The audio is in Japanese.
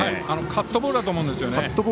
カットボールだと思うんですよね。